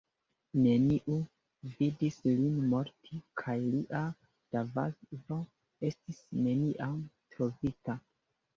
Neniu vidis lin morti kaj lia kadavro estis neniam trovita.